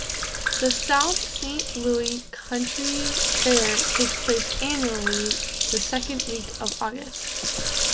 The "South Saint Louis County Fair" takes place annually the second week of August.